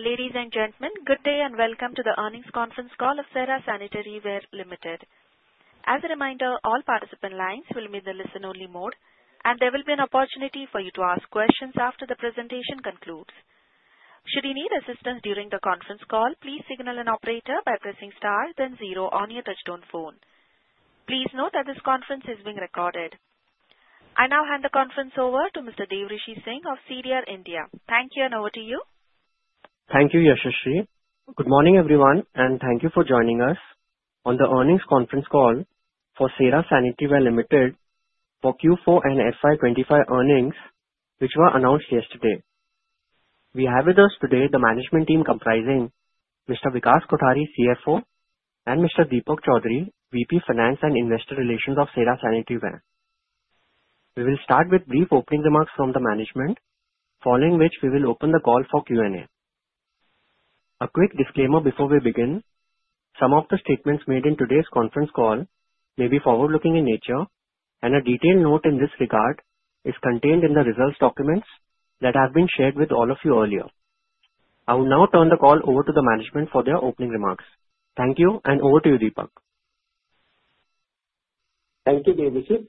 Ladies and gentlemen, good day and welcome to the earnings conference call of Cera Sanitaryware Limited. As a reminder, all participant lines will be in the listen-only mode, and there will be an opportunity for you to ask questions after the presentation concludes. Should you need assistance during the conference call, please signal an operator by pressing star, then zero on your touch-tone phone. Please note that this conference is being recorded. I now hand the conference over to Mr. Devrishi Singh of CDR India. Thank you, and over to you. Thank you, Yashasri. Good morning, everyone, and thank you for joining us on the earnings conference call for Cera Sanitaryware Limited for Q4 and FY 2025 earnings, which were announced yesterday. We have with us today the management team comprising Mr. Vikaash Kothari, CFO, and Mr. Deepak Chaudhary, VP Finance and Investor Relations of Cera Sanitaryware. We will start with brief opening remarks from the management, following which we will open the call for Q&A. A quick disclaimer before we begin: some of the statements made in today's conference call may be forward-looking in nature, and a detailed note in this regard is contained in the results documents that have been shared with all of you earlier. I will now turn the call over to the management for their opening remarks. Thank you, and over to you, Deepak. Thank you, Devrishi.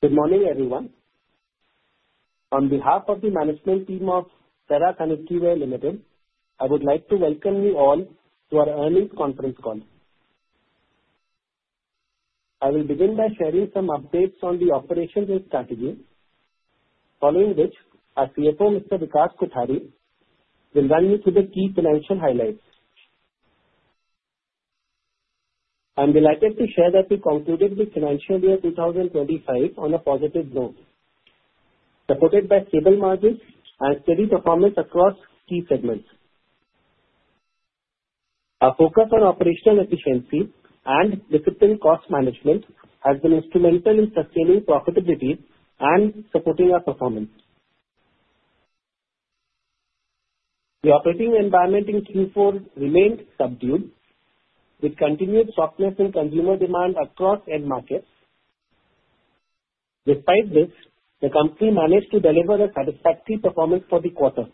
Good morning, everyone. On behalf of the management team of Cera Sanitaryware Limited, I would like to welcome you all to our earnings conference call. I will begin by sharing some updates on the operations and strategy, following which our CFO, Mr. Vikaash Kothari, will run you through the key financial highlights. I'm delighted to share that we concluded the financial year 2025 on a positive note, supported by stable margins and steady performance across key segments. Our focus on operational efficiency and disciplined cost management has been instrumental in sustaining profitability and supporting our performance. The operating environment in Q4 remained subdued, with continued softness in consumer demand across end markets. Despite this, the company managed to deliver a satisfactory performance for the quarter,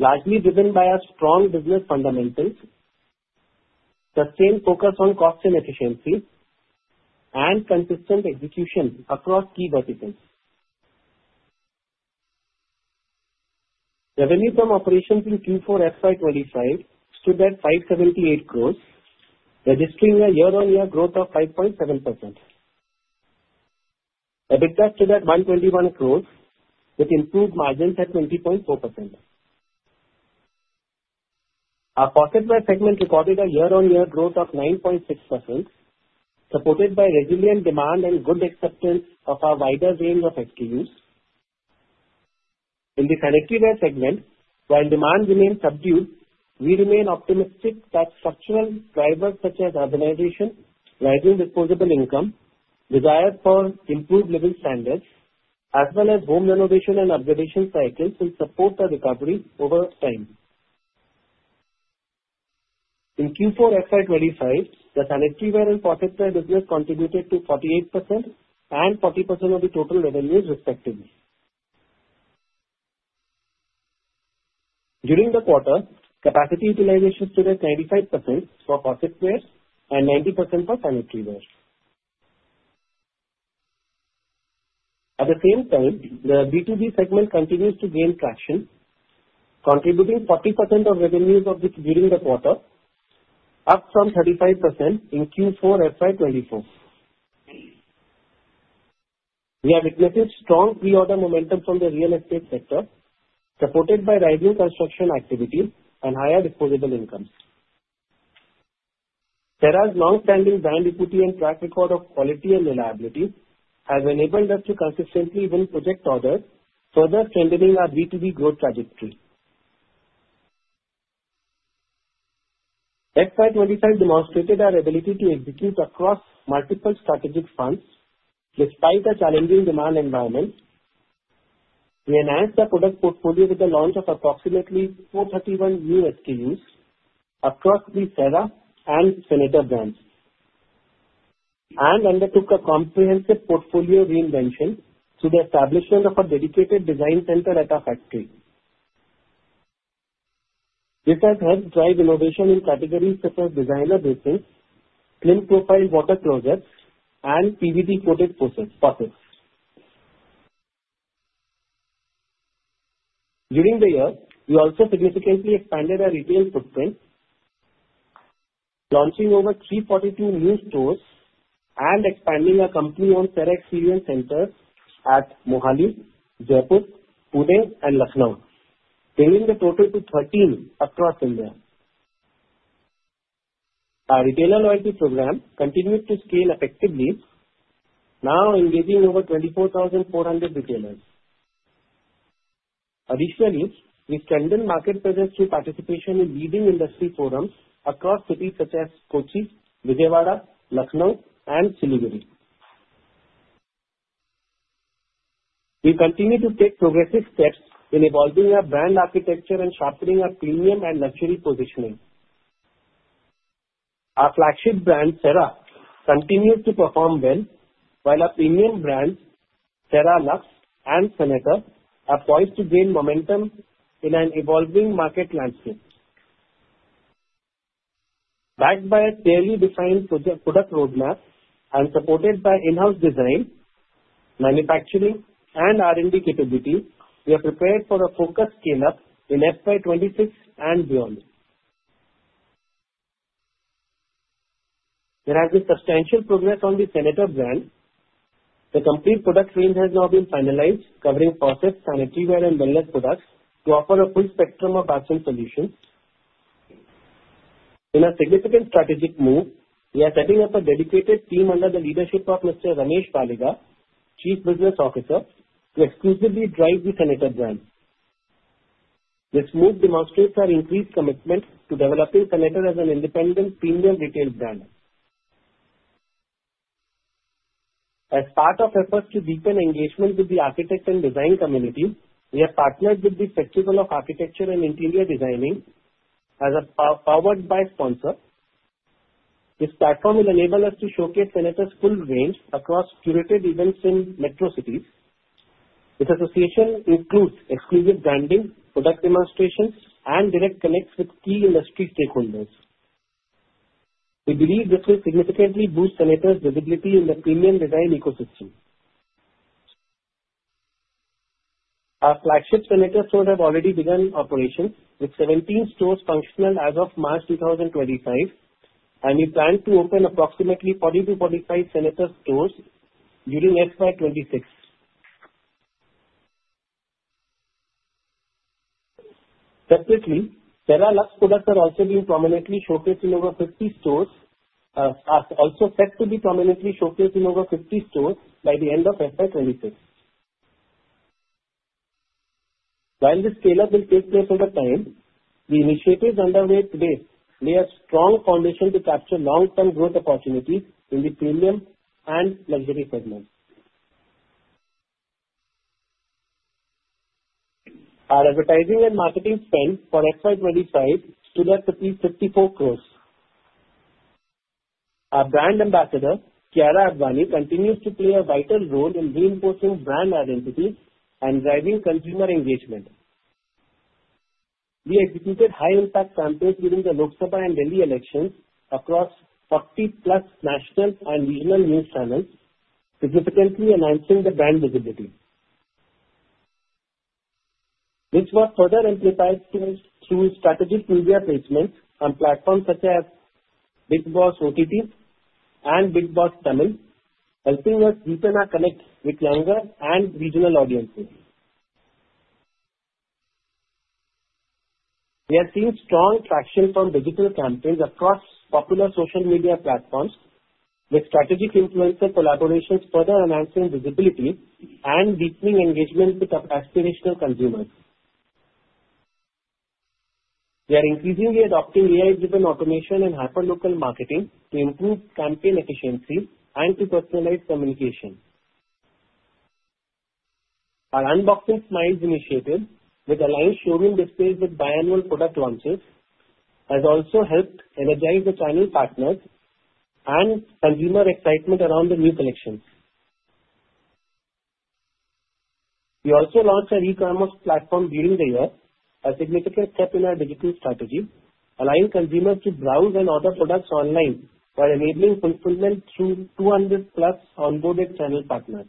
largely driven by our strong business fundamentals, sustained focus on cost and efficiency, and consistent execution across key verticals. Revenue from operations in Q4 FY 2025 stood at 578 crores, registering a year-on-year growth of 5.7%. EBITDA stood at 121 crores, with improved margins at 20.4%. Our profit per segment recorded a year-on-year growth of 9.6%, supported by resilient demand and good acceptance of our wider range of SKUs. In the sanitaryware segment, while demand remained subdued, we remain optimistic that structural drivers such as organization, rising disposable income, desire for improved living standards, as well as home renovation and upgradation cycles will support the recovery over time. In Q4 FY 2025, the sanitaryware and profit per business contributed to 48% and 40% of the total revenues, respectively. During the quarter, capacity utilization stood at 95% for faucetware and 90% for sanitaryware. At the same time, the B2B segment continues to gain traction, contributing 40% of revenues during the quarter, up from 35% in Q4 FY 2024. We have witnessed strong pre-order momentum from the real estate sector, supported by rising construction activity and higher disposable incomes. Cera's long-standing brand equity and track record of quality and reliability has enabled us to consistently win project orders, further strengthening our B2B growth trajectory. FY 2025 demonstrated our ability to execute across multiple strategic funds despite a challenging demand environment. We enhanced our product portfolio with the launch of approximately 431 new SKUs across the Cera and Senator brands and undertook a comprehensive portfolio reinvention through the establishment of a dedicated design center at our factory. This has helped drive innovation in categories such as designer dressings, slim-profile water faucets, and PVD-coated faucets. During the year, we also significantly expanded our retail footprint, launching over 342 new stores and expanding our company-owned Cera Experience Center at Mohali, Jaipur, Pune, and Lucknow, bringing the total to 13 across India. Our retailer loyalty program continued to scale effectively, now engaging over 24,400 retailers. Additionally, we strengthened market presence through participation in leading industry forums across cities such as Kochi, Vijayawada, Lucknow, and Siliguri. We continue to take progressive steps in evolving our brand architecture and sharpening our premium and luxury positioning. Our flagship brand, Cera, continues to perform well, while our premium brands, Cera Luxe and Senator, are poised to gain momentum in an evolving market landscape. Backed by a clearly defined product roadmap and supported by in-house design, manufacturing, and R&D capabilities, we are prepared for a focused scale-up in FY 2026 and beyond. There has been substantial progress on the Senator brand. The complete product range has now been finalized, covering faucets, sanitaryware, and wellness products to offer a full spectrum of action solutions. In a significant strategic move, we are setting up a dedicated team under the leadership of Mr. Ramesh Paliga, Chief Business Officer, to exclusively drive the Senator brand. This move demonstrates our increased commitment to developing Senator as an independent premium retail brand. As part of efforts to deepen engagement with the architect and design community, we have partnered with the Festival of Architecture and Interior Designing as a powered-by sponsor. This platform will enable us to showcase Senator's full range across curated events in metro cities. This association includes exclusive branding, product demonstrations, and direct connects with key industry stakeholders. We believe this will significantly boost Senator's visibility in the premium design ecosystem. Our flagship Senator stores have already begun operations, with 17 stores functional as of March 2025, and we plan to open approximately 40-45 Senator stores during FY 2026. Separately, Cera Luxe products are also being prominently showcased in over 50 stores. They are also set to be prominently showcased in over 50 stores by the end of FY 2026. While this scale-up will take place over time, the initiatives underway today lay a strong foundation to capture long-term growth opportunities in the premium and luxury segments. Our advertising and marketing spend for 2025 stood at INR 54 crore. Our brand ambassador, Kiara Advani, continues to play a vital role in reinforcing brand identity and driving consumer engagement. We executed high-impact campaigns during the Lok Sabha and Delhi elections across 40-plus national and regional news channels, significantly enhancing the brand visibility. This work further amplifies through strategic media placements on platforms such as Bigg Boss OTT and Bigg Boss Tamil, helping us deepen our connect with younger and regional audiences. We have seen strong traction from digital campaigns across popular social media platforms, with strategic influencer collaborations further enhancing visibility and deepening engagement with our aspirational consumers. We are increasingly adopting AI-driven automation and hyperlocal marketing to improve campaign efficiency and to personalize communication. Our Unboxing Smiles initiative, with a line showroom displayed with biannual product launches, has also helped energize the channel partners and consumer excitement around the new collections. We also launched an e-commerce platform during the year, a significant step in our digital strategy, allowing consumers to browse and order products online while enabling fulfillment through 200-plus onboarded channel partners.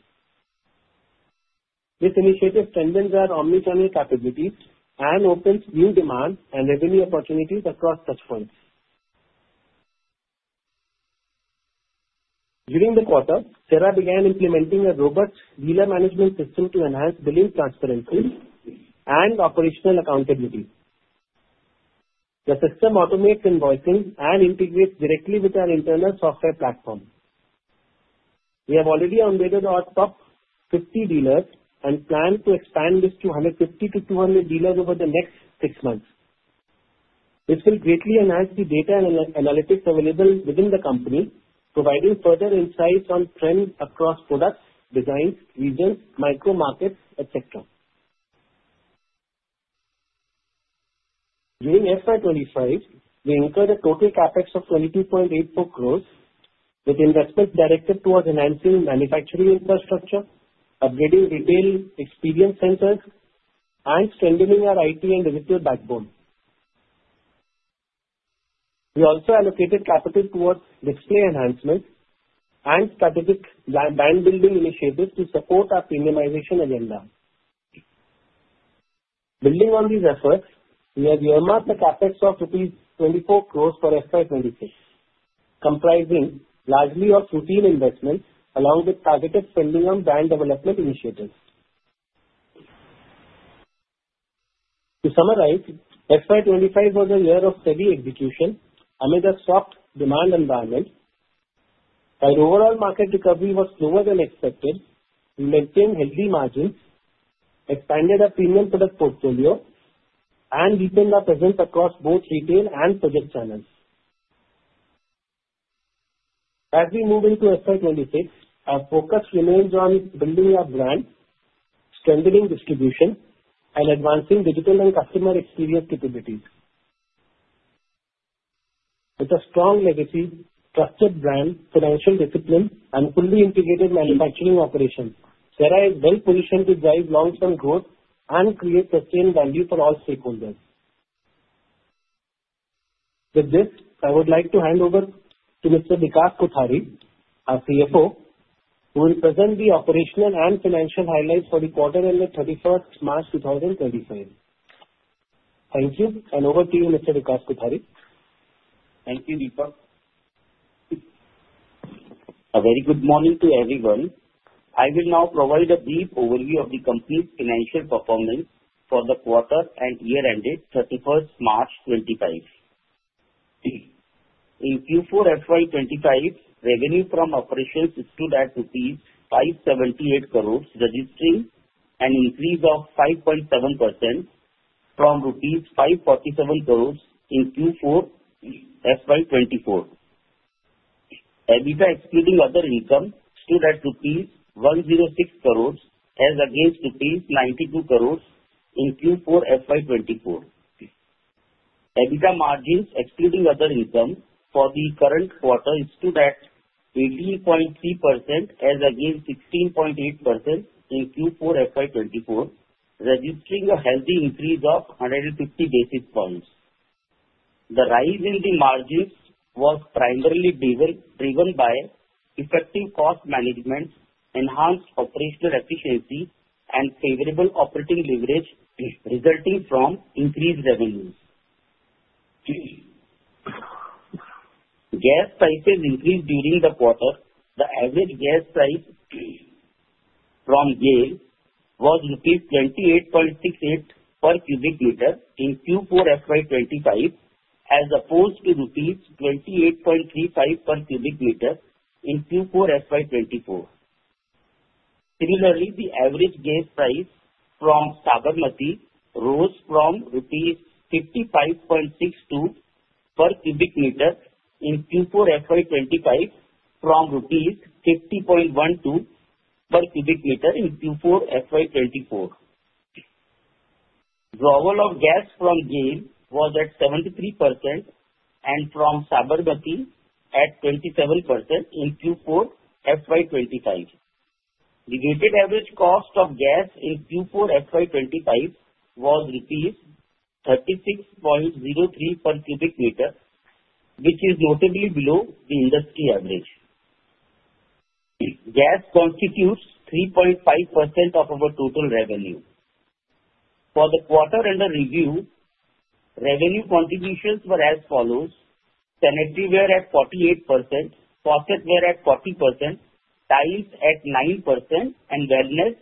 This initiative strengthens our omnichannel capabilities and opens new demand and revenue opportunities across touchpoints. During the quarter, Cera began implementing a robust dealer management system to enhance billing transparency and operational accountability. The system automates invoicing and integrates directly with our internal software platform. We have already onboarded our top 50 dealers and plan to expand this to 150-200 dealers over the next six months. This will greatly enhance the data and analytics available within the company, providing further insights on trends across products, designs, regions, micro-markets, etc. During FY 2025, we incurred a total CapEx of 22.84 crores, with investments directed towards enhancing manufacturing infrastructure, upgrading retail experience centers, and strengthening our IT and digital backbone. We also allocated capital towards display enhancements and strategic brand-building initiatives to support our premiumization agenda. Building on these efforts, we have earmarked a CapEx of rupees 24 crores for FY 2026, comprising largely of routine investments along with targeted spending on brand development initiatives. To summarize, FY 2025 was a year of steady execution amid a soft demand environment. Our overall market recovery was slower than expected. We maintained healthy margins, expanded our premium product portfolio, and deepened our presence across both retail and project channels. As we move into FY 2026, our focus remains on building our brand, strengthening distribution, and advancing digital and customer experience capabilities. With a strong legacy, trusted brand, financial discipline, and fully integrated manufacturing operations, Cera is well-positioned to drive long-term growth and create sustained value for all stakeholders. With this, I would like to hand over to Mr. Vikas Kothari, our CFO, who will present the operational and financial highlights for the quarter ended 31st March 2025. Thank you, and over to you, Mr. Vikas Kothari. Thank you, Deepak. A very good morning to everyone. I will now provide a brief overview of the company's financial performance for the quarter and year ended 31st March 2025. In Q4 FY 2025, revenue from operations stood at 578 crores, registering an increase of 5.7% from rupees 547 crores in Q4 FY 2024. EBITDA, excluding other income, stood at rupees 106 crores, as against rupees 92 crores in Q4 FY 2024. EBITDA margins, excluding other income, for the current quarter stood at 18.3%, as against 16.8% in Q4 FY 2024, registering a healthy increase of 150 basis points. The rise in the margins was primarily driven by effective cost management, enhanced operational efficiency, and favorable operating leverage resulting from increased revenues. Gas prices increased during the quarter. The average gas price from GAIL was rupees 28.68 per cubic meter in Q4 FY 2025, as opposed to rupees 28.35 per cubic meter in Q4 FY 2024. Similarly, the average gas price from Sabarmati rose to rupees 55.62 per cubic meter in Q4 FY 2025 from rupees 50.12 per cubic meter in Q4 FY 2024. Drawal of gas from GAIL was at 73% and from Sabarmati at 27% in Q4 FY 2025. The weighted average cost of gas in Q4 FY 2025 was rupees 36.03 per cubic meter, which is notably below the industry average. Gas constitutes 3.5% of our total revenue. For the quarter-end review, revenue contributions were as follows: Sanitaryware at 48%, Faucetware at 40%, Tiles at 9%, and Wellness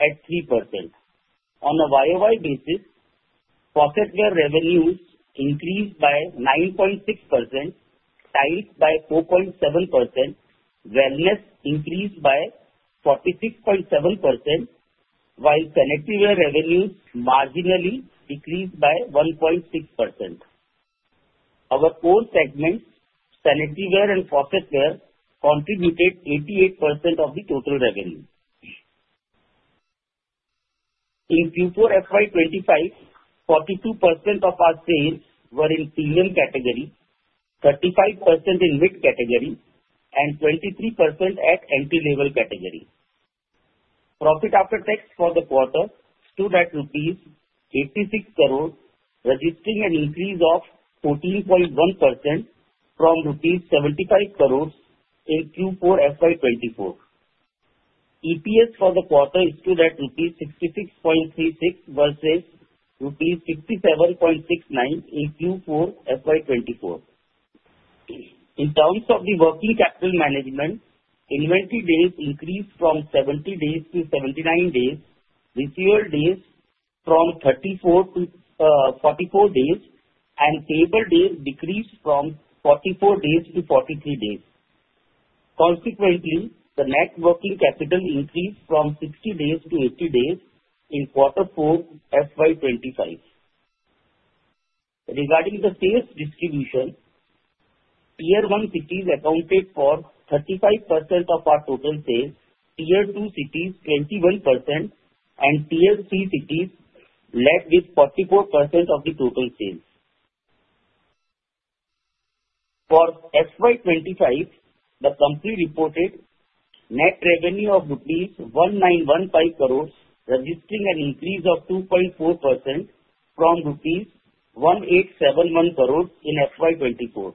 at 3%. On a YoY basis, Faucetware revenues increased by 9.6%, Tiles by 4.7%, Wellness increased by 46.7%, while Sanitaryware revenues marginally decreased by 1.6%. Our core segments, Sanitaryware and Faucetware, contributed 88% of the total revenue. In Q4 FY 2025, 42% of our sales were in premium category, 35% in mid category, and 23% at entry-level category. Profit after tax for the quarter stood at 86 crore, registering an increase of 14.1% from 75 crore rupees in Q4 FY 2024. EPS for the quarter stood at rupees 66.36 versus rupees 67.69 in Q4 FY 2024. In terms of the working capital management, inventory days increased from 70 days to 79 days, receivable days from 34 days to 44 days, and payable days decreased from 44 days to 43 days. Consequently, the net working capital increased from 60 days to 80 days in Q4 FY 2025. Regarding the sales distribution, Tier 1 cities accounted for 35% of our total sales, Tier 2 cities 21%, and Tier 3 cities left with 44% of the total sales. For FY 2025, the company reported net revenue of rupees 1,915 crores, registering an increase of 2.4% from rupees 1,871 crores in FY 2024.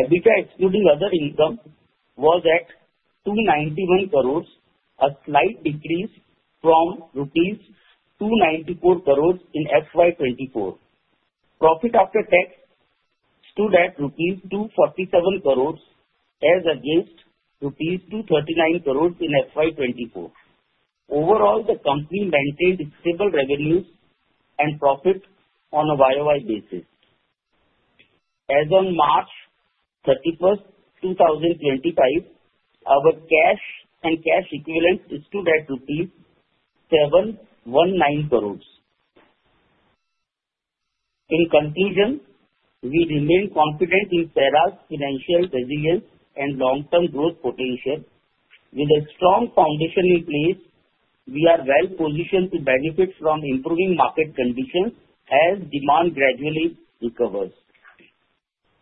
EBITDA, excluding other income, was at 291 crores, a slight decrease from 294 crores rupees in FY 2024. Profit after tax stood at 247 crores rupees, as against 239 crores rupees in FY 2024. Overall, the company maintained stable revenues and profit on a YoY basis. As of March 31, 2025, our cash and cash equivalent stood at INR 719 crores. In conclusion, we remain confident in Cera's financial resilience and long-term growth potential. With a strong foundation in place, we are well-positioned to benefit from improving market conditions as demand gradually recovers.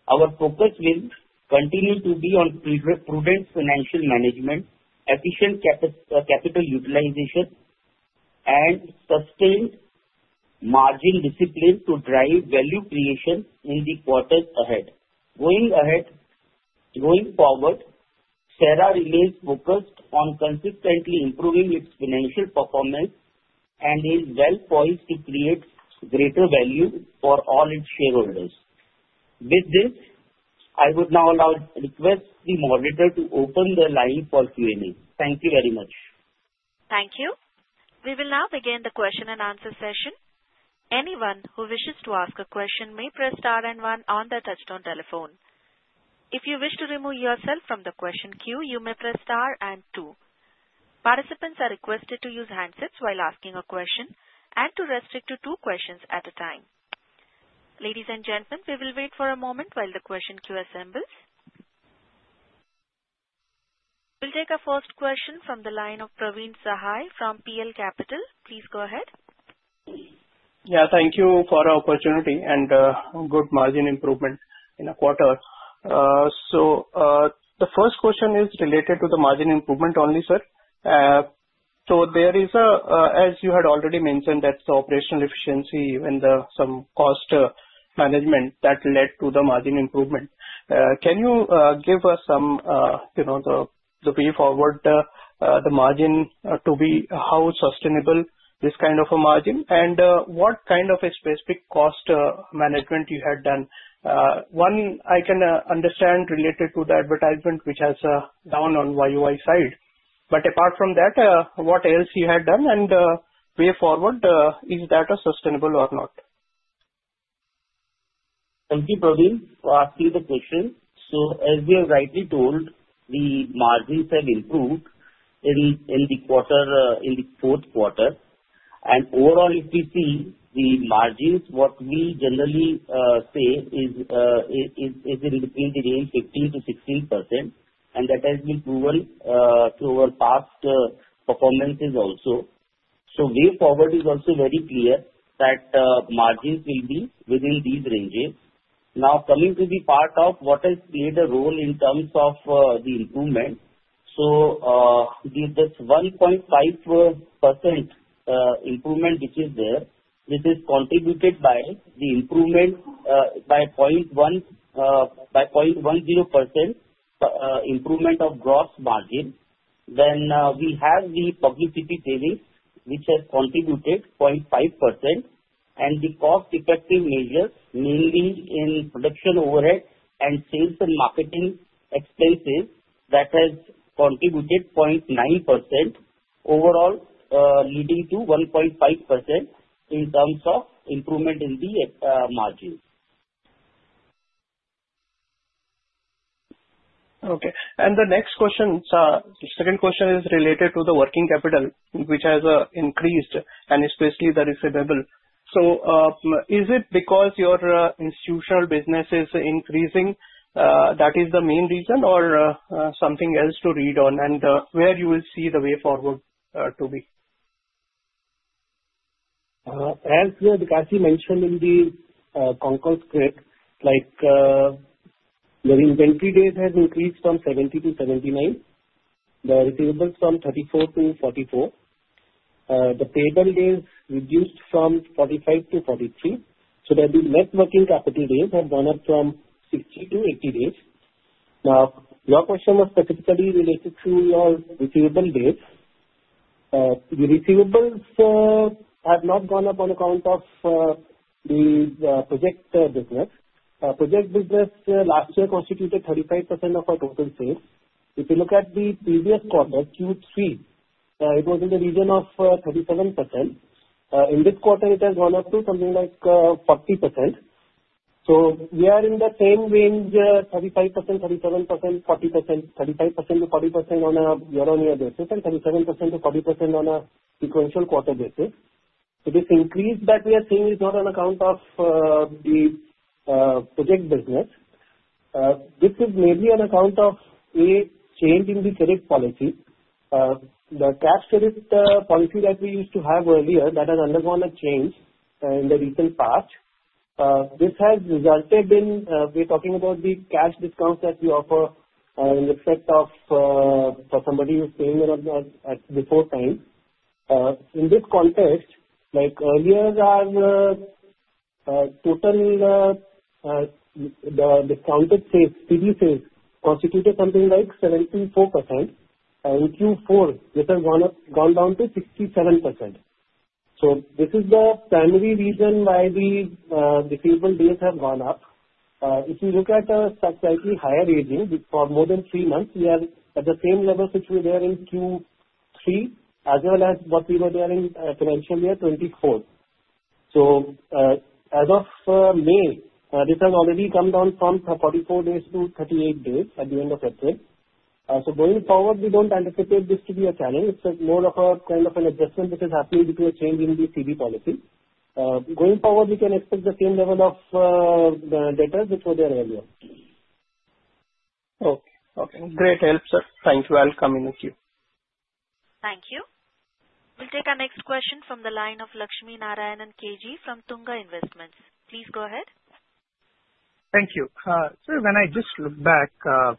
Our focus will continue to be on prudent financial management, efficient capital utilization, and sustained margin discipline to drive value creation in the quarters ahead. Going forward, Cera remains focused on consistently improving its financial performance and is well-poised to create greater value for all its shareholders. With this, I would now request the moderator to open the line for Q&A. Thank you very much. Thank you. We will now begin the question and answer session. Anyone who wishes to ask a question may press star and one on the touch-tone telephone. If you wish to remove yourself from the question queue, you may press star and two. Participants are requested to use handsets while asking a question and to restrict to two questions at a time. Ladies and gentlemen, we will wait for a moment while the question queue assembles. We'll take a first question from the line of Praveen Sahai from PL Capital. Please go ahead. Yeah, thank you for the opportunity and good margin improvement in a quarter. The first question is related to the margin improvement only, sir. There is a, as you had already mentioned, that's the operational efficiency and some cost management that led to the margin improvement. Can you give us some way forward the margin to be how sustainable this kind of a margin and what kind of a specific cost management you had done? One, I can understand related to the advertisement, which has a down on YoY side. Apart from that, what else you had done and way forward, is that sustainable or not? Thank you, Praveen. I'll see the question. As we have rightly told, the margins have improved in the quarter, in the fourth quarter. Overall, if we see the margins, what we generally say is it is in between the range 15-16%, and that has been proven through our past performances also. Way forward is also very clear that margins will be within these ranges. Now coming to the part of what has played a role in terms of the improvement. This 1.5% improvement, which is there, this is contributed by the improvement by 0.10% improvement of gross margin. We have the publicity savings, which has contributed 0.5%, and the cost-effective measures, mainly in production overhead and sales and marketing expenses, that has contributed 0.9% overall, leading to 1.5% in terms of improvement in the margin. Okay. The next question, second question is related to the working capital, which has increased, and especially the receivable. Is it because your institutional business is increasing that is the main reason, or something else to read on, and where you will see the way forward to be? As Vikaashji mentioned in the concourse clip, the inventory days have increased from 70 to 79. The receivables from 34 to 44. The payable days reduced from 45 to 43. The net working capital days have gone up from 60 to 80 days. Your question was specifically related to your receivable days. The receivables have not gone up on account of the project business. Project business last year constituted 35% of our total sales. If you look at the previous quarter, Q3, it was in the region of 37%. In this quarter, it has gone up to something like 40%. We are in the same range, 35%, 37%, 40%, 35%-40% on a year-on-year basis, and 37%-40% on a sequential quarter basis. This increase that we are seeing is not on account of the project business. This is maybe on account of a change in the credit policy. The cash credit policy that we used to have earlier, that has undergone a change in the recent past. This has resulted in, we're talking about the cash discounts that we offer in respect of for somebody who's paying at before time. In this context, like earlier, our total discounted sales [city] sales constituted something like 74%. In Q4, this has gone down to 67%. This is the primary reason why the receivable days have gone up. If you look at a slightly higher reading, for more than three months, we are at the same level which we were in Q3, as well as what we were there in financial year 2024. As of May, this has already come down from 44 days to 38 days at the end of April. Going forward, we do not anticipate this to be a challenge. It is more of a kind of an adjustment that is happening due to a change in the CB policy. Going forward, we can expect the same level of data which was there earlier. Okay. Okay. Great help, sir. Thank you. I'll come in the queue. Thank you. We'll take our next question from the line of Lakshminarayanan K G from Tunga Investments. Please go ahead. Thank you. Sir, when I just look back,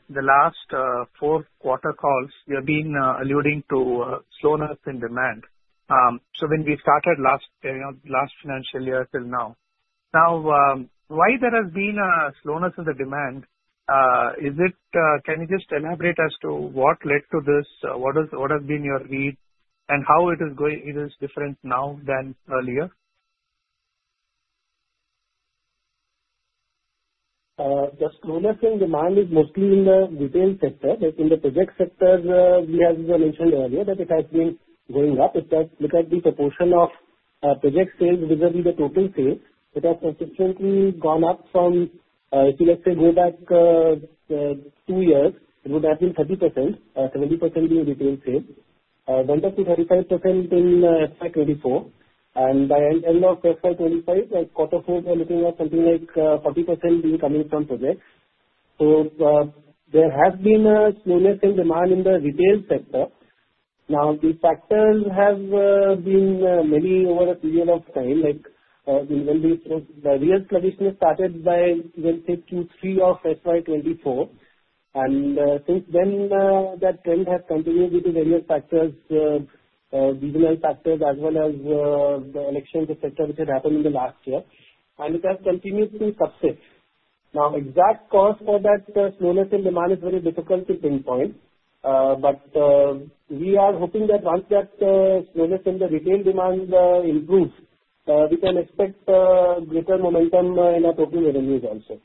the last four quarter calls, you have been alluding to slowness in demand. When we started last financial year till now, now why there has been a slowness in the demand, can you just elaborate as to what led to this, what has been your read, and how it is different now than earlier? The slowness in demand is mostly in the retail sector. In the project sector, we have mentioned earlier that it has been going up. If you look at the proportion of project sales vis-à-vis the total sales, it has consistently gone up from, if you let's say go back two years, it would have been 30%, 70% being retail sales, went up to 35% in FY 2024. By the end of FY 2025, quarter four, we're looking at something like 40% being coming from projects. There has been a slowness in demand in the retail sector. These factors have been many over a period of time. The real sluggishness started by, let's say, Q3 of FY 2024. Since then, that trend has continued due to various factors, regional factors, as well as the elections etc. which had happened in the last year. It has continued to subside. Now, exact cause for that slowness in demand is very difficult to pinpoint. We are hoping that once that slowness in the retail demand improves, we can expect greater momentum in our total revenues also.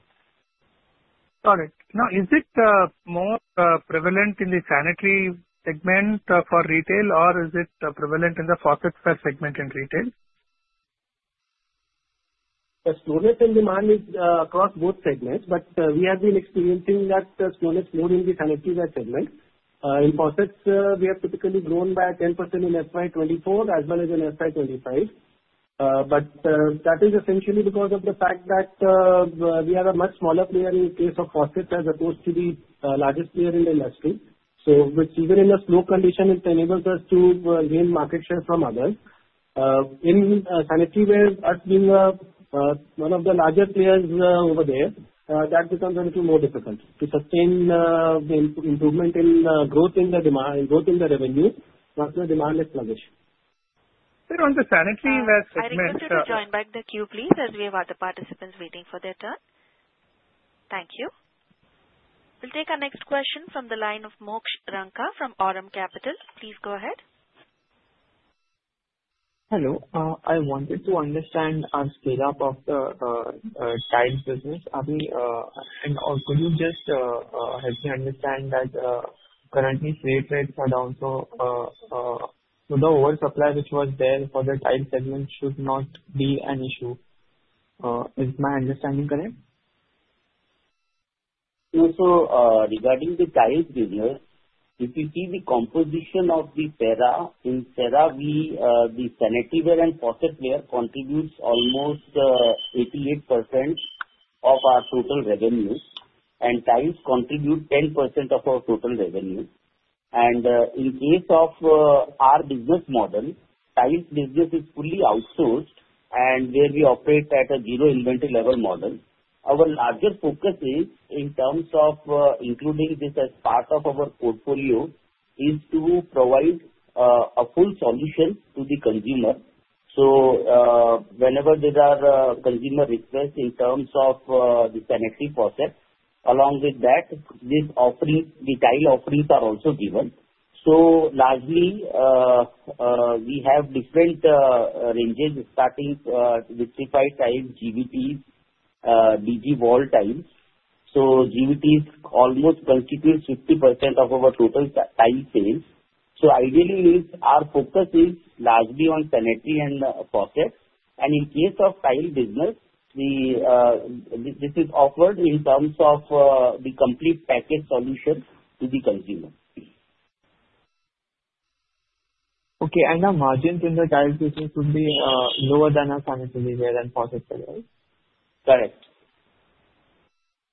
Got it. Now, is it more prevalent in the Sanitary segment for retail, or is it prevalent in the Faucetware segment in retail? The slowness in demand is across both segments, but we have been experiencing that slowness more in the Sanitaryware segment. In faucets, we have typically grown by 10% in FY 2024 as well as in FY 2025. That is essentially because of the fact that we are a much smaller player in the case of faucets as opposed to the largest player in the industry. Even in a slow condition, it enables us to gain market share from others. In Sanitaryware, us being one of the largest players over there, that becomes a little more difficult to sustain the improvement in growth in the demand, growth in the revenue once the demand is sluggish. Sir, on the Sanitaryware segment I'm going to join back the queue, please, as we have other participants waiting for their turn. Thank you. We'll take our next question from the line of Moksh Ranka from Aurum Capital. Please go ahead. Hello. I wanted to understand our scale-up of the Tiles business. Could you just help me understand that currently slate rates are down, so the over-supply which was there for the tile segment should not be an issue. Is my understanding correct? Regarding the tiles business, if you see the composition of Cera, the Sanitaryware and Faucetware contributes almost 88% of our total revenue, and Tiles contribute 10% of our total revenue. In case of our business model, Tiles business is fully outsourced, and we operate at a zero inventory level model. Our larger focus in terms of including this as part of our portfolio is to provide a full solution to the consumer. Whenever there are consumer requests in terms of the sanitary faucet, along with that, these tile offerings are also given. Largely, we have different ranges starting with five tiles, GVTs, DG wall tiles. GVTs almost constitute 50% of our total tile sales. Ideally, our focus is largely on sanitary and faucet. In case of tile business, this is offered in terms of the complete package solution to the consumer. Okay. The margins in the Tiles business would be lower than our Sanitaryware and [Faucetware] sale, right? Correct.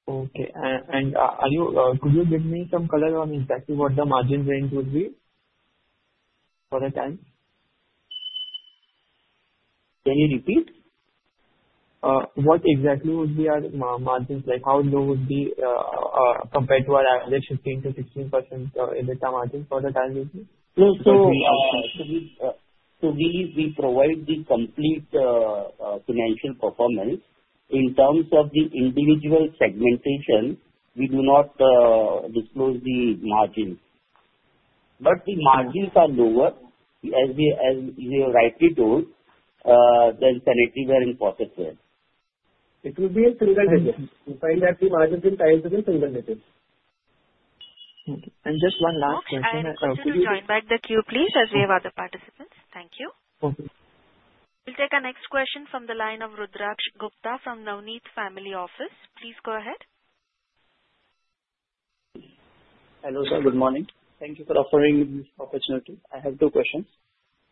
Okay. Could you give me some color on exactly what the margin range would be for the tiles? Can you repeat? What exactly would be our margins? How low would it be compared to our average 15-16% EBITDA margin for the Tiles business? We provide the complete financial performance. In terms of the individual segmentation, we do not disclose the margins. The margins are lower, as you rightly told, than Sanitaryware and Faucetware. It will be a single digit. You find that the margins in tiles is a single digit. Okay. Just one last question. Could you join back the queue, please, as we have other participants? Thank you. We will take our next question from the line of Rudraksh Gupta from Navneet Family Office. Please go ahead. Hello sir. Good morning. Thank you for offering this opportunity. I have two questions.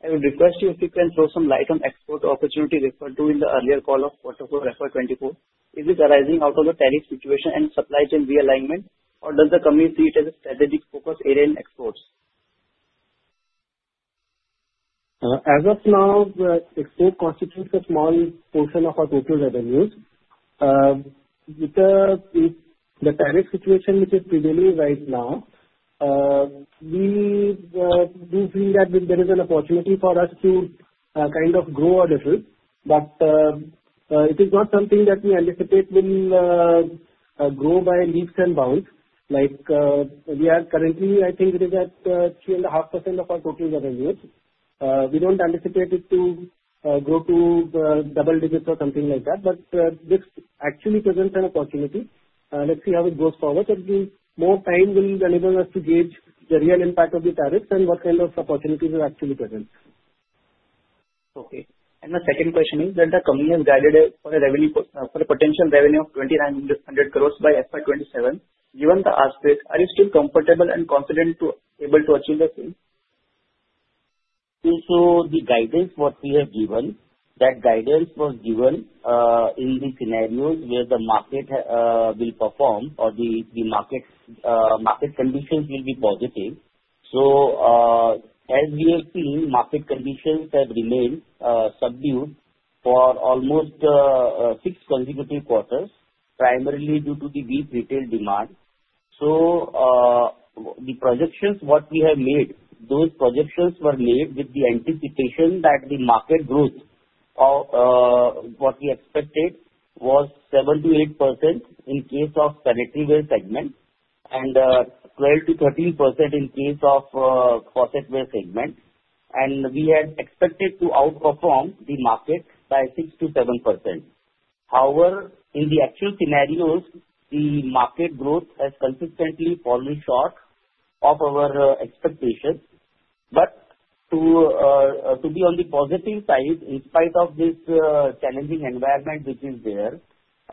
I would request you if you can throw some light on export opportunity referred to in the earlier call of quarter four, FY 2024. Is it arising out of the tariff situation and supply chain realignment, or does the company see it as a strategic focus area in exports? As of now, export constitutes a small portion of our total revenues. With the tariff situation which is prevailing right now, we do feel that there is an opportunity for us to kind of grow a little. It is not something that we anticipate will grow by leaps and bounds. Like we are currently, I think it is at 3.5% of our total revenues. We don't anticipate it to grow to double digits or something like that. This actually presents an opportunity. Let's see how it goes forward. More time will enable us to gauge the real impact of the tariffs and what kind of opportunities are actually present. Okay. My second question is that the company has guided for a potential revenue of 2,900 crores by FY 2027. Given the aspect, are you still comfortable and confident to be able to achieve the same? The guidance what we have given, that guidance was given in the scenarios where the market will perform or the market conditions will be positive. As we have seen, market conditions have remained subdued for almost six consecutive quarters, primarily due to the weak retail demand. The projections what we have made, those projections were made with the anticipation that the market growth of what we expected was 7-8% in case of Sanitaryware segment and 12-13% in case of Faucetware segment. We had expected to outperform the market by 6-7%. However, in the actual scenarios, the market growth has consistently fallen short of our expectations. To be on the positive side, in spite of this challenging environment which is there,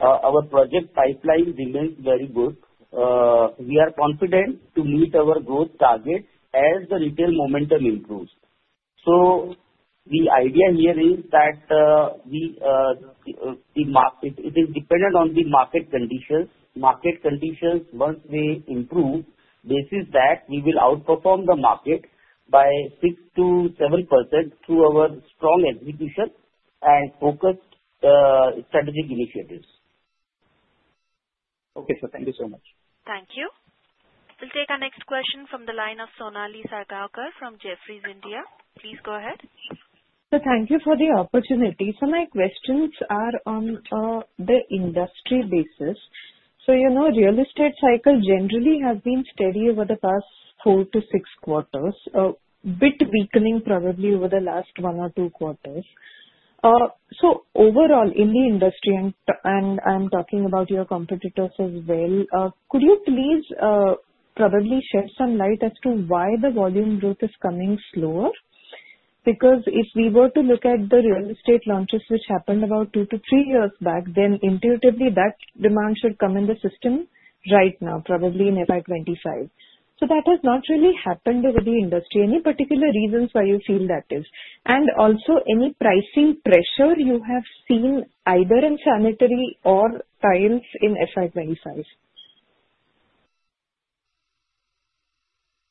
our project pipeline remains very good. We are confident to meet our growth targets as the retail momentum improves. The idea here is that it is dependent on the market conditions. Market conditions, once they improve, this is that we will outperform the market by 6-7% through our strong execution and focused strategic initiatives. Okay sir. Thank you so much. Thank you. We'll take our next question from the line of Sonali Salgaonkar from Jefferies India. Please go ahead. Thank you for the opportunity. My questions are on the industry basis. Real estate cycle generally has been steady over the past four to six quarters, a bit weakening probably over the last one or two quarters. Overall, in the industry, and I'm talking about your competitors as well, could you please probably shed some light as to why the volume growth is coming slower? Because if we were to look at the real estate launches which happened about two to three years back, then intuitively that demand should come in the system right now, probably in FY 2025. That has not really happened over the industry. Any particular reasons why you feel that is? Also, any pricing pressure you have seen either in Sanitary or Tiles in FY 2025?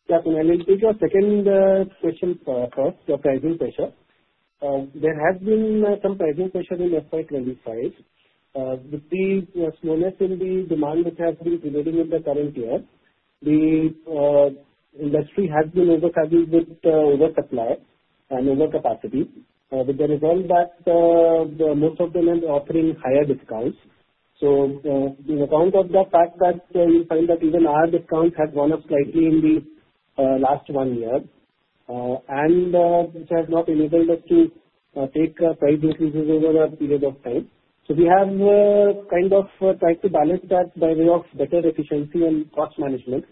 Definitely. This is your second question first, your pricing pressure. There has been some pricing pressure in FY 2025. With the slowness in the demand which has been prevailing in the current year, the industry has been [facing] oversupply and overcapacity. With the result that most of them are offering higher discounts. In account of the fact that you find that even our discounts have gone up slightly in the last one year, and it has not enabled us to take price increases over a period of time. We have kind of tried to balance that by way of better efficiency and cost management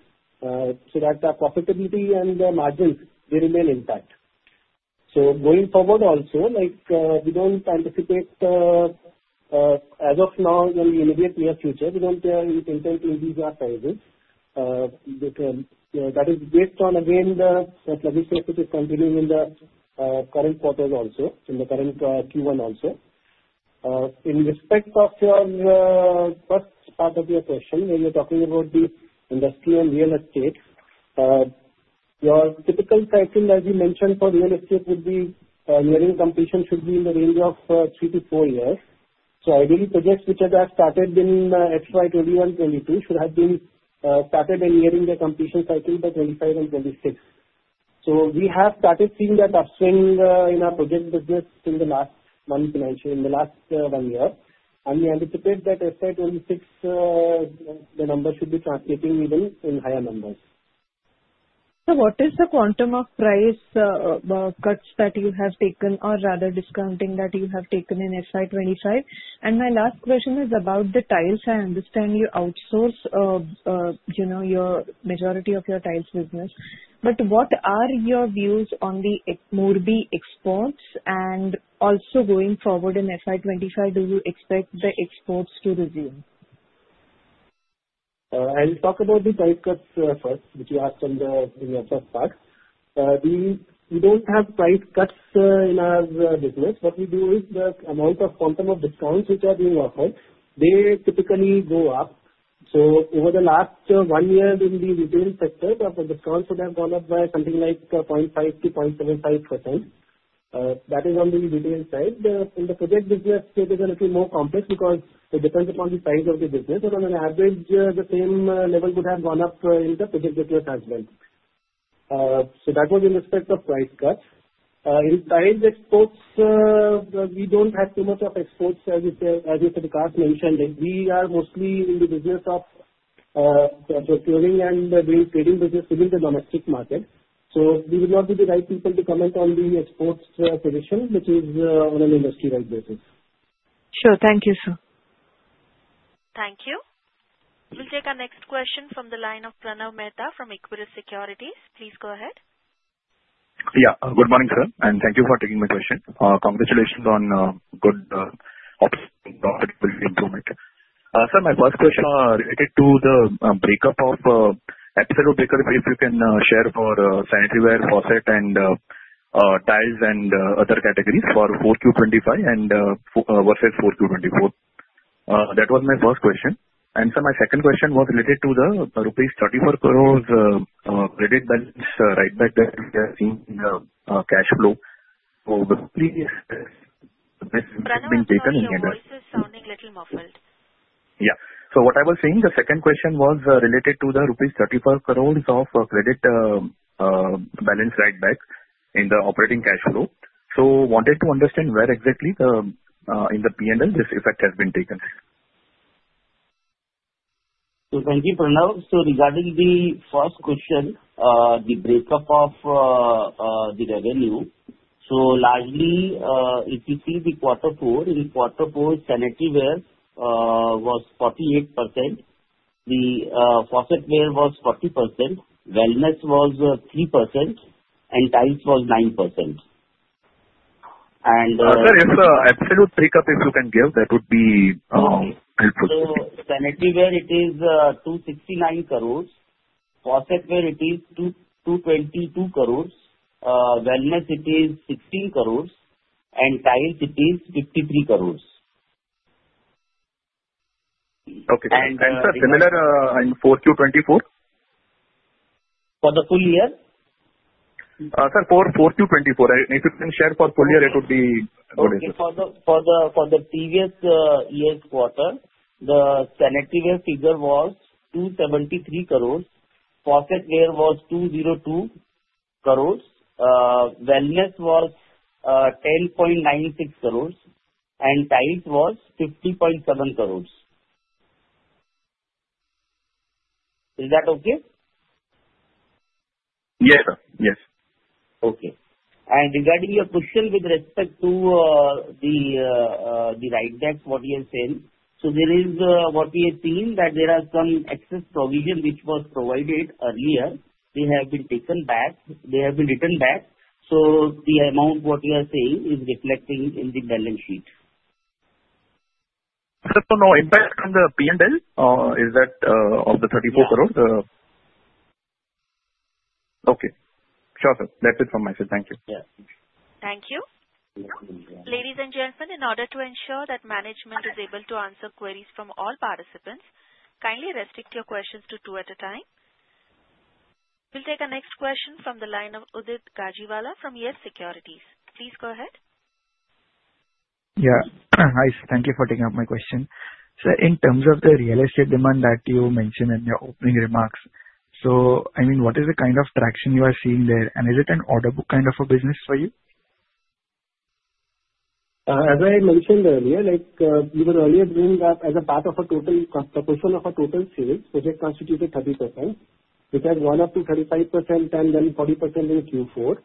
so that our profitability and the margins, they remain intact. Going forward also, we do not anticipate as of now in the immediate near future, we do not intend to increase our prices. That is based on, again, the plugging cycle is continuing in the current quarters also, in the current Q1 also. In respect of your first part of your question, when you are talking about the industry and real estate, your typical cycle, as you mentioned, for real estate would be nearing completion should be in the range of three to four years. Ideally, projects which have started in FY 2021, 2022 should have been started and nearing their completion cycle by 2025 and 2026. We have started seeing that upswing in our project business in the last one year. We anticipate that FY 2026, the number should be translating even in higher numbers. What is the quantum of price cuts that you have taken, or rather discounting that you have taken in FY 2025? My last question is about the Tiles. I understand you outsource your majority of your Tiles business. What are your views on the Morbi exports? Also, going forward in FY 2025, do you expect the exports to resume? I'll talk about the price cuts first, which you asked on the first part. We don't have price cuts in our business. What we do is the amount or quantum of discounts which are being offered, they typically go up. Over the last one year in the retail sector, the discounts would have gone up by something like 0.5%-0.75%. That is on the retail side. In the project business, it is a little more complex because it depends upon the size of the business. On average, the same level would have gone up in the project business as well. That was in respect of price cuts. In tiles exports, we do not have too much of exports, as you said, as Mr. Vikaash mentioned. We are mostly in the business of procuring and doing trading business within the domestic market. We would not be the right people to comment on the exports position, which is on an industry-wide basis. Sure. Thank you, sir. Thank you. We'll take our next question from the line of Pranav Mehta from Equirus Securities. Please go ahead. Yeah. Good morning, sir. And thank you for taking my question. Congratulations on good optimal improvement. Sir, my first question related to the breakup of episode of breakup, if you can share for Sanitaryware, Faucet, and Tiles and other categories for Q4 2025 versus Q4 2024. That was my first question. Sir, my second question was related to the rupees 34 crores credit balance write-back that we have seen in the cash flow. Will it have been taken in here? The line voice is sounding a little muffled. Yeah. What I was saying, the second question was related to the rupees 34 crores of credit balance write-back in the operating cash flow. Wanted to understand where exactly in the P&L this effect has been taken. Thank you, Pranav. Regarding the first question, the breakup of the revenue. Largely, if you see quarter four, in quarter four, Sanitaryware was 48%. The Faucetware was 40%. Wellness was 3%. Tiles was 9%. Sir, if the absolute breakup, if you can give, that would be helpful. Sanitaryware, it is 269 crores. Faucetware, it is 222 crores. Wellness, it is 16 crores. Tiles, it is 53 crores. Okay. Sir, similar in 4Q24? For the full year? Sir, 4Q24. If you can share for full year, it would be good. Okay. For the previous year's quarter, the Sanitaryware figure was 273 crores. Faucetware was 202 crores. Wellness was 10.96 crores. Tiles was 50.7 crores. Is that okay? Yes, sir. Yes. Okay. Regarding your question with respect to the write-backs, what you have said, there is what we have seen that there are some excess provision which was provided earlier. They have been taken back. They have been written back. The amount what you are saying is reflecting in the balance sheet. Now, is that on the P&L? Is that of the 34 crore? Okay. Sure, sir. That's it from my side. Thank you. Thank you. Ladies and gentlemen, in order to ensure that management is able to answer queries from all participants, kindly restrict your questions to two at a time. We'll take our next question from the line of Udit Gajiwala from Yes Securities. Please go ahead. Hi. Thank you for taking up my question. Sir, in terms of the real estate demand that you mentioned in your opening remarks, I mean, what is the kind of traction you are seeing there? Is it an order book kind of a business for you? As I mentioned earlier, even earlier doing that as a part of a total proportion of total sales, which constituted 30%, which has gone up to 35% and then 40% in Q4.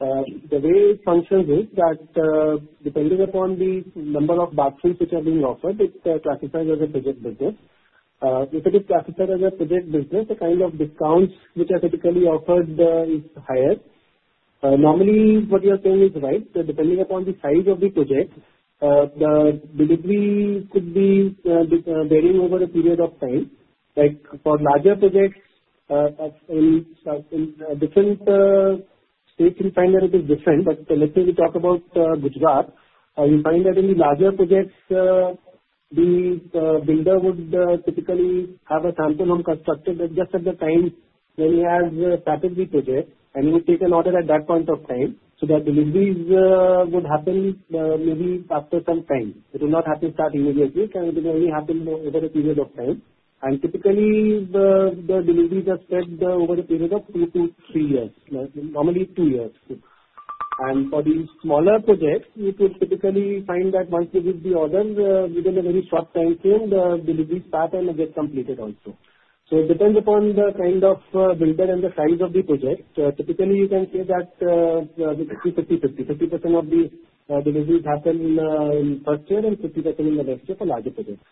The way it functions is that depending upon the number of bathrooms which are being offered, it classifies as a project business. If it is classified as a project business, the kind of discounts which are typically offered is higher. Normally, what you are saying is right. Depending upon the size of the project, the delivery could be varying over a period of time. For larger projects in different states, you find that it is different. Let's say we talk about Gujarat, you find that in the larger projects, the builder would typically have a sample home constructed just at the time when he has started the project, and he will take an order at that point of time so that deliveries would happen maybe after some time. It will not happen immediately. It will only happen over a period of time. Typically, the deliveries are spread over a period of two to three years, normally two years. For the smaller projects, you could typically find that once you give the order, within a very short time frame, the deliveries start and get completed also. It depends upon the kind of builder and the size of the project. Typically, you can see that it's 50-50, 50% of the deliveries happen in the first year and 50% in the next year for larger projects.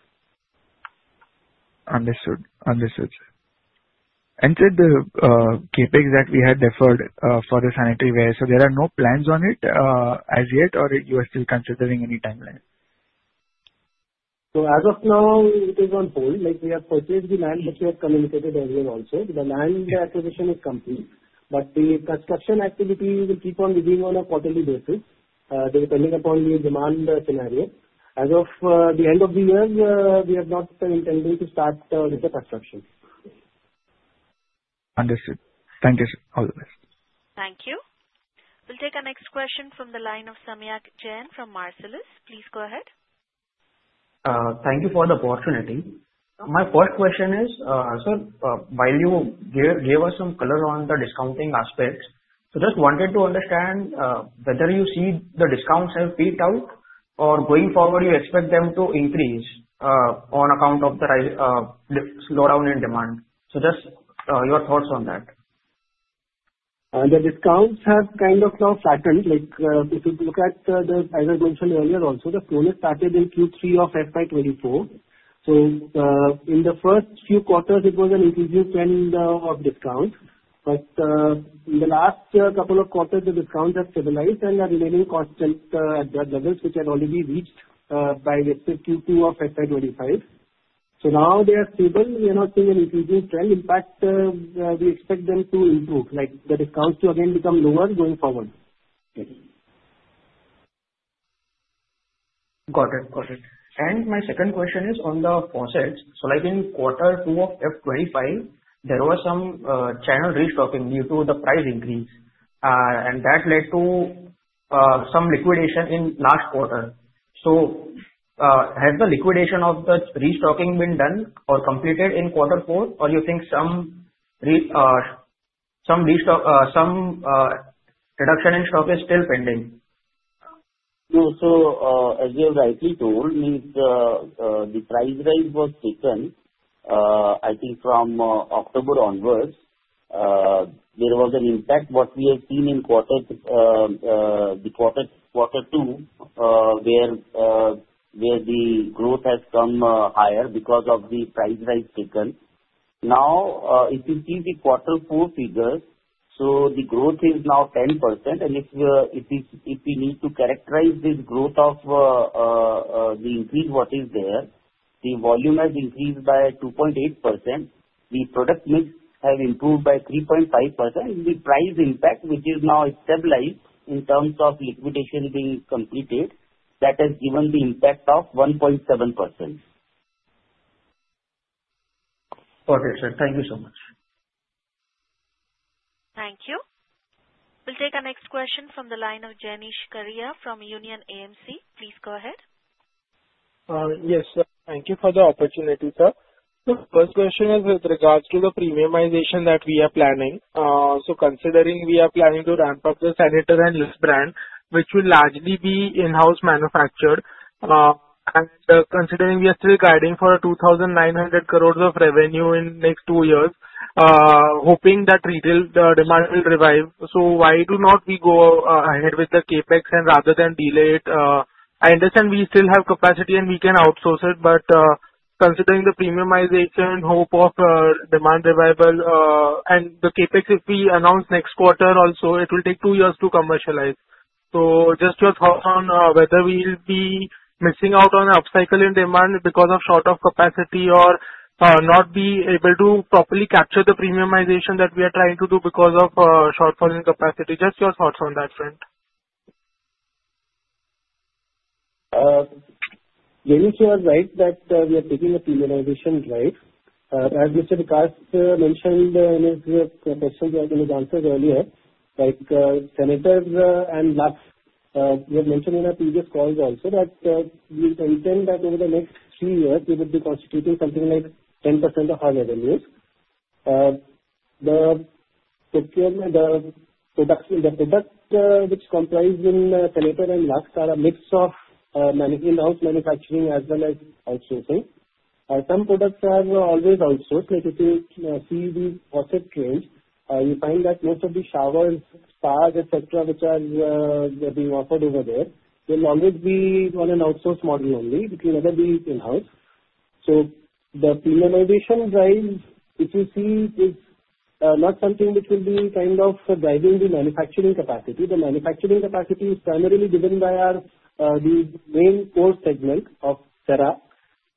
Understood. Understood, sir. And sir, the CapEx that we had deferred for the sanitaryware, so there are no plans on it as yet, or you are still considering any timeline? As of now, it is on hold. We have purchased the land, which we have communicated earlier also. The land acquisition is complete. The construction activity will keep on moving on a quarterly basis, depending upon the demand scenario. As of the end of the year, we are not intending to start with the construction. Understood. Thank you, sir. All the best. Thank you. We'll take our next question from the line of Samyak Jain from Marcellus. Please go ahead. Thank you for the opportunity. My first question is, sir, while you gave us some color on the discounting aspect, just wanted to understand whether you see the discounts have peaked out, or going forward, you expect them to increase on account of the slowdown in demand. Just your thoughts on that. The discounts have kind of now flattened. If you look at the, as I mentioned earlier also, the slowdown started in Q3 of FY 2024. In the first few quarters, it was an increasing trend of discounts. In the last couple of quarters, the discounts have stabilized and are remaining constant at that level, which had already been reached by Q2 of FY 2025. Now they are stable. We are not seeing an increasing trend. In fact, we expect them to improve, like the discounts to again become lower going forward. Got it. Got it. My second question is on the faucets. Like in quarter two of FY 2025, there was some channel restocking due to the price increase, and that led to some liquidation in last quarter. Has the liquidation of the restocking been done or completed in quarter four, or do you think some reduction in stock is still pending? No. As you have rightly told, the price rise was taken, I think, from October onwards. There was an impact, what we have seen in quarter two, where the growth has come higher because of the price rise taken. Now, if you see the quarter four figure, the growth is now 10%. If we need to characterize this growth of the increase, the volume has increased by 2.8%. The product mix has improved by 3.5%. The price impact, which is now stabilized in terms of liquidation being completed, that has given the impact of 1.7%. Okay, sir. Thank you so much. Thank you. We'll take our next question from the line of Jenish Karia from Union AMC. Please go ahead. Yes, sir. Thank you for the opportunity, sir. First question is with regards to the premiumization that we are planning. Considering we are planning to ramp up the Senator and Luxe brands, which will largely be in-house manufactured, and considering we are still guiding for 2,900 crores of revenue in the next two years, hoping that retail demand will revive, why do we not go ahead with the CapEx rather than delay it? I understand we still have capacity and we can outsource it, but considering the premiumization, hope of demand revival, and the CapEx, if we announce next quarter also, it will take two years to commercialize. Just your thoughts on whether we will be missing out on an upcycle in demand because of short of capacity or not be able to properly capture the premiumization that we are trying to do because of shortfall in capacity. Just your thoughts on that front. Yes, you are right that we are taking a premiumization drive. As Mr. Vikaash mentioned in his questions that he answered earlier, like Senator and Luxe, we have mentioned in our previous calls also that we intend that over the next three years, we would be constituting something like 10% of our revenues. The products which comprise in sanitary and baths are a mix of in-house manufacturing as well as outsourcing. Some products are always outsourced. If you see the faucet range, you find that most of the showers, spas, etc., which are being offered over there, will always be on an outsourced model only, which will never be in-house. The premiumization drive, if you see, is not something which will be kind of driving the manufacturing capacity. The manufacturing capacity is primarily driven by the main core segment of Cera.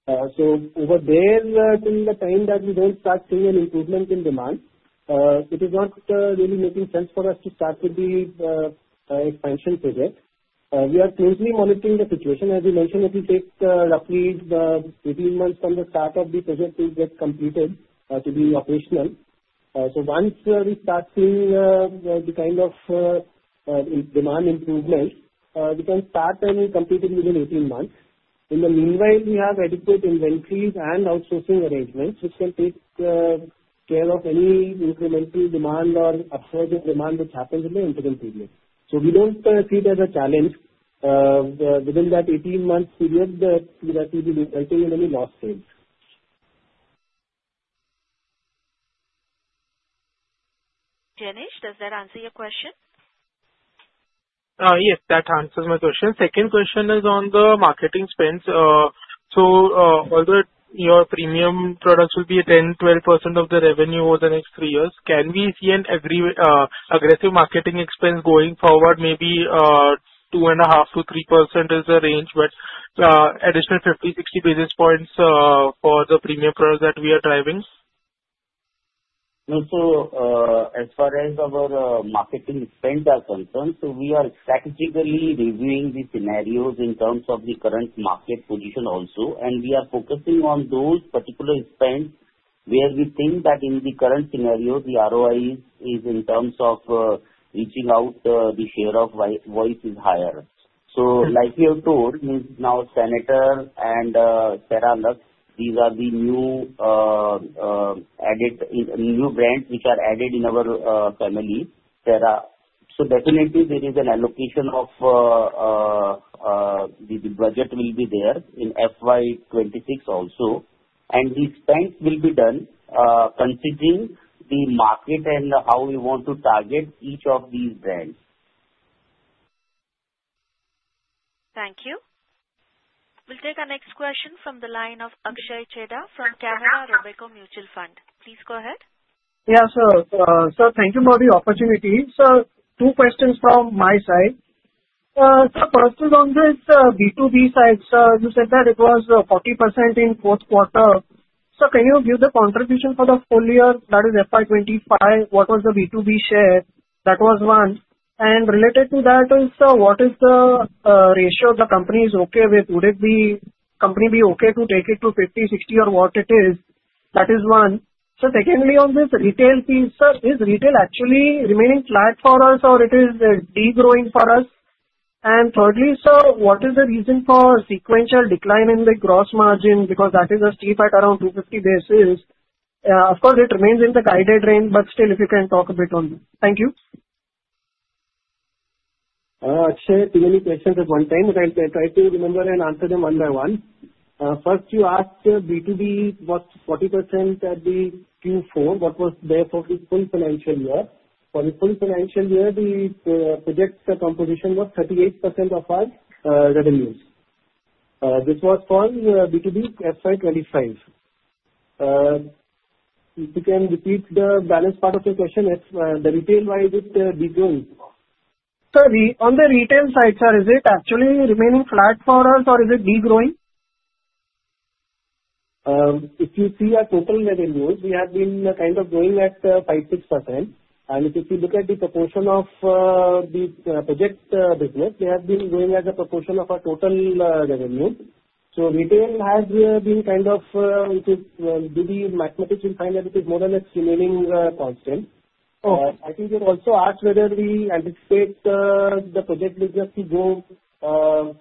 Over there, till the time that we do not start seeing an improvement in demand, it is not really making sense for us to start with the expansion project. We are closely monitoring the situation. As you mentioned, it will take roughly 18 months from the start of the project to get completed to be operational. Once we start seeing the kind of demand improvement, we can start and complete it within 18 months. In the meanwhile, we have adequate inventories and outsourcing arrangements, which can take care of any incremental demand or upswing in demand which happens in the interim period. We do not see it as a challenge within that 18-month period that we will be resulting in any lost sales. Jenish, does that answer your question? Yes, that answers my question. Second question is on the marketing spend. Although your premium products will be 10%-12% of the revenue over the next three years, can we see an aggressive marketing expense going forward, maybe 2.5%-3% is the range, but additional 50-60 basis points for the premium products that we are driving? As far as our marketing spend is concerned, we are strategically reviewing the scenarios in terms of the current market position also. We are focusing on those particular spends where we think that in the current scenario, the ROI in terms of reaching out, the share of voice is higher. Like you have told, now Senator and Cera Luxe, these are the new brands which are added in our family, Cera. Definitely, there is an allocation of the budget in FY 2026 also. The spend will be done considering the market and how we want to target each of these brands. Thank you. We'll take our next question from the line of Akshay Chheda from Canara Robeco Mutual Fund. Please go ahead. Yeah, sir. Sir, thank you for the opportunity. Sir, two questions from my side. The first is on the B2B side. Sir, you said that it was 40% in fourth quarter. Sir, can you give the contribution for the full year? That is FY 2025. What was the B2B share? That was one. And related to that is, sir, what is the ratio the company is okay with? Would the company be okay to take it to 50, 60, or what it is? That is one. Secondly, on this retail piece, sir, is retail actually remaining flat for us, or is it degrowing for us? And thirdly, sir, what is the reason for sequential decline in the gross margin? Because that is steep at around 250 basis points. Of course, it remains in the guided range, but still, if you can talk a bit on that. Thank you. Akshay, too many questions at one time, but I'll try to remember and answer them one by one. First, you asked B2B was 40% at the Q4. What was there for the full financial year? For the full financial year, the project composition was 38% of our revenues. This was for B2B FY 2025. If you can repeat the balance part of your question, the retail-wide degrowing? Sir, on the retail side, sir, is it actually remaining flat for us, or is it degrowing? If you see our total revenues, we have been kind of going at 5%-6%. And if you look at the proportion of the project business, they have been going as a proportion of our total revenue. So retail has been kind of, if you do the mathematics, you'll find that it is more or less remaining constant. I think you also asked whether we anticipate the project business to go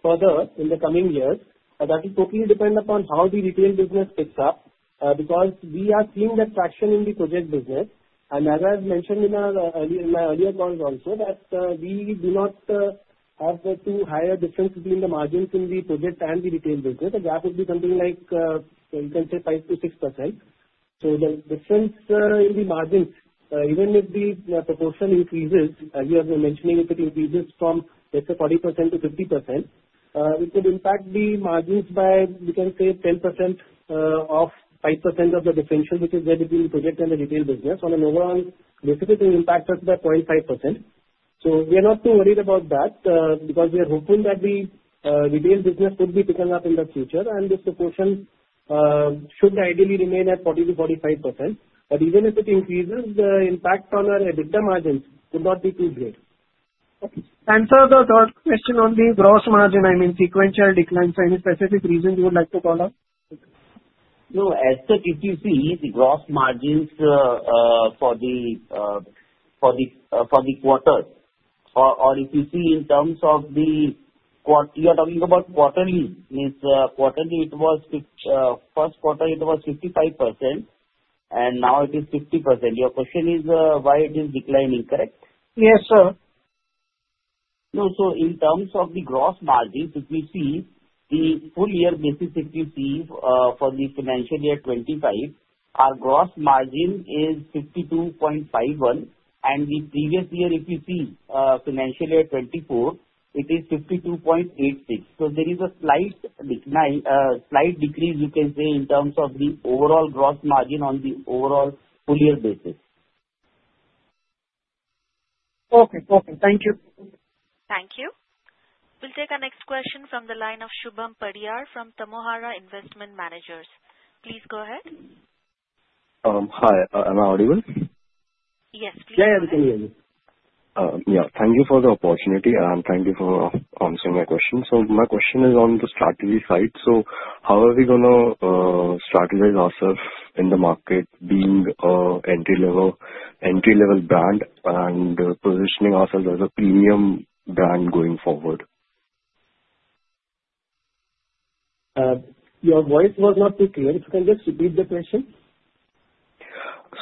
further in the coming years. That will totally depend upon how the retail business picks up because we are seeing that fraction in the project business. As I've mentioned in my earlier calls also, we do not have too high a difference between the margins in the project and the retail business. The gap would be something like, you can say, 5%-6%. The difference in the margins, even if the proportion increases, as you have been mentioning, if it increases from, let's say, 40% to 50%, it could impact the margins by, you can say, 10% of 5% of the differential, which is there between the project and the retail business. On an overall basis, it will impact us by 0.5%. We are not too worried about that because we are hoping that the retail business would be picking up in the future, and this proportion should ideally remain at 40%-45%. Even if it increases, the impact on our EBITDA margins would not be too great. Sir, the third question on the gross margin, I mean, sequential declines, any specific reason you would like to call out? No, as such if you see, the gross margins for the quarter, or if you see in terms of the quarter, you are talking about quarterly. Means quarterly, it was first quarter, it was 55%, and now it is 50%. Your question is why it is declining, correct? Yes, sir. No, in terms of the gross margins, if we see the full year basis, if you see for the financial year 2025, our gross margin is 52.51%. The previous year, if you see financial year 2024, it is 52.86%. There is a slight decrease, you can say, in terms of the overall gross margin on the overall full year basis. Okay. Thank you. Thank you. We'll take our next question from the line of Shubham Parihar from Tamohara Investment Managers. Please go ahead. Hi. Am I audible? Yes, please. Yeah, yeah. Thank you for the opportunity, and thank you for answering my question. My question is on the strategy side. How are we going to strategize ourselves in the market being an entry-level brand and positioning ourselves as a premium brand going forward? Your voice was not too clear. If you can just repeat the question.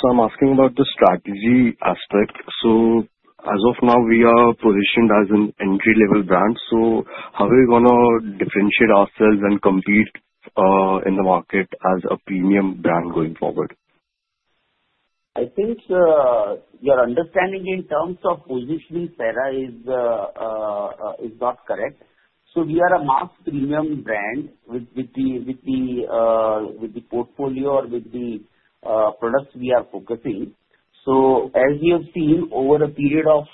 I'm asking about the strategy aspect. As of now, we are positioned as an entry-level brand. How are we going to differentiate ourselves and compete in the market as a premium brand going forward? I think your understanding in terms of positioning Cera is not correct. We are a mass premium brand with the portfolio or with the products we are focusing. As you have seen, over a period of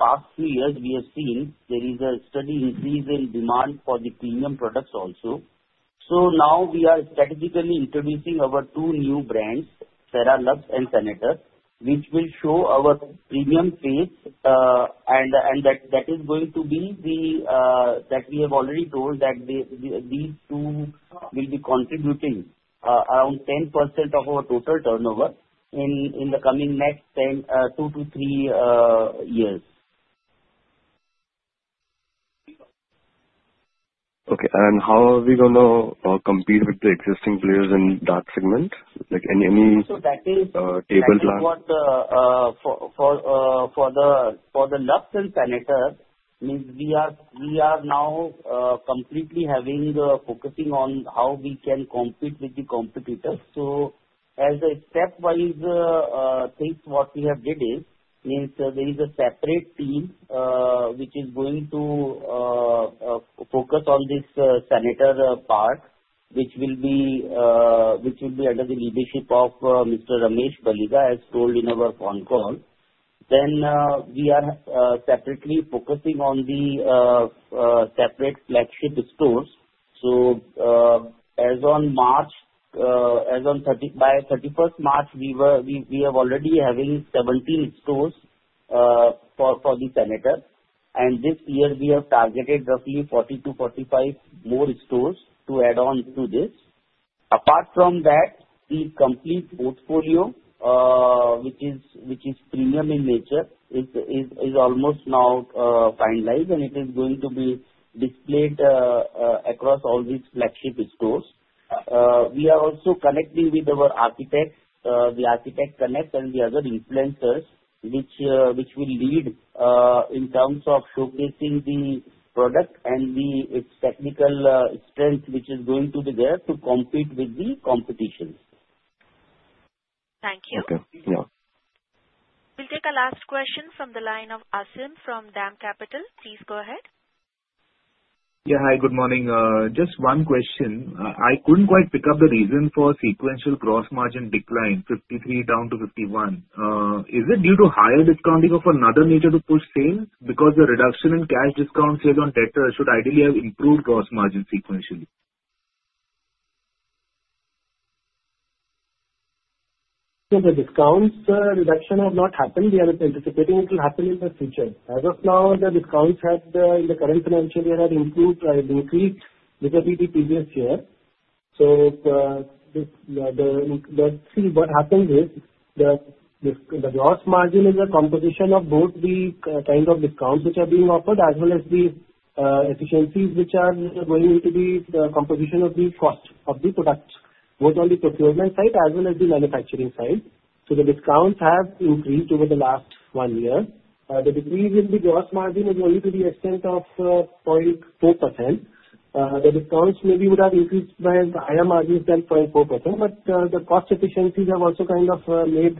past three years, we have seen there is a steady increase in demand for the premium products also. Now we are strategically introducing our two new brands, Cera Luxe and Senator, which will show our premium face. That is going to be the, we have already told that these two will be contributing around 10% of our total turnover in the coming next two to three years. Okay. How are we going to compete with the existing players in that segment? Any table plan? That is what for the Luxe and Senator, means we are now completely focusing on how we can compete with the competitors. As a step-wise thing, what we have did is, means there is a separate team which is going to focus on this Senator part, which will be under the leadership of Mr. Ramesh Paliga, as told in our con call. We are separately focusing on the separate flagship stores. As on March, as on by 31st March, we have already having 17 stores for the Senator. This year, we have targeted roughly 40-45 more stores to add on to this. Apart from that, the complete portfolio, which is premium in nature, is almost now finalized, and it is going to be displayed across all these flagship stores. We are also connecting with our architects, the Architects Connect, and the other influencers, which will lead in terms of showcasing the product and its technical strength, which is going to be there to compete with the competition. Thank you. Okay. Yeah. We'll take a last question from the line of Aasim from DAM Capital. Please go ahead. Yeah. Hi. Good morning. Just one question. I couldn't quite pick up the reason for sequential gross margin decline, 53% down to 51%. Is it due to higher discounting of another meter to push sales? Because the reduction in cash discount sales on [debtors] should ideally have improved gross margin sequentially. So the discounts, reduction have not happened. We are anticipating it will happen in the future. As of now, the discounts in the current financial year have increased with the previous year. Let's see what happens is the gross margin is a composition of both the kind of discounts which are being offered as well as the efficiencies which are going to be the composition of the cost of the product, both on the procurement side as well as the manufacturing side. The discounts have increased over the last one year. The decrease in the gross margin is only to the extent of 0.4%. The discounts maybe would have increased by higher margins than 0.4%, but the cost efficiencies have also kind of made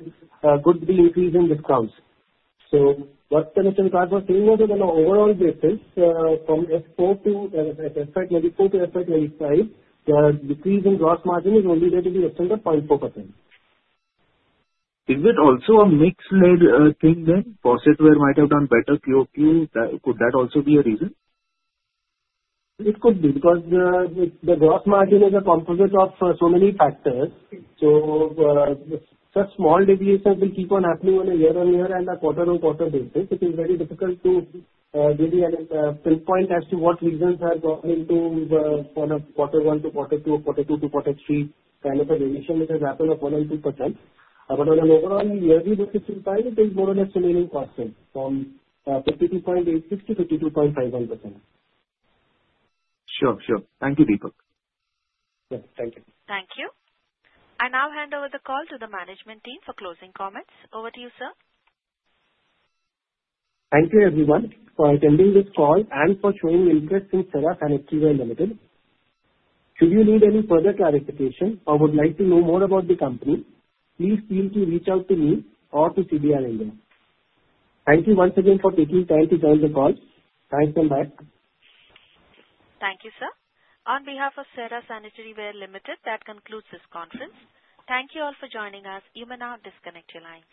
good the increase in discounts. What Mr. VIkaash was saying was that on an overall basis, from FY 2025 to FY 2025, the decrease in gross margin is only there to the extent of 0.4%. Is it also a mix-led thing then? Faucetware might have done better. QoQ, could that also be a reason? It could be because the gross margin is a composite of so many factors. Such small deviations will keep on happening on a year-on-year and a quarter-on-quarter basis. It is very difficult to really pinpoint as to what reasons have gone into quarter one to quarter two, quarter two to quarter three kind of a deviation which has happened of 1% and 2%. On an overall yearly basis, it is more or less remaining constant from 52.86% to 52.51%. Sure. Sure. Thank you, Deepak. Yes. Thank you. Thank you. I now hand over the call to the management team for closing comments. Over to you, sir. Thank you, everyone, for attending this call and for showing interest in Cera Sanitaryware Limited. Should you need any further clarification or would like to know more about the company, please feel free to reach out to me or to CDR India. Thank you once again for taking time to join the call. Thanks. Bye-bye. Thank you, sir. On behalf of Cera Sanitaryware Limited, that concludes this conference. Thank you all for joining us. You may now disconnect your line.